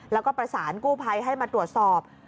แล้วก็ประสานกู้ภัยให้มาตรวจสอบ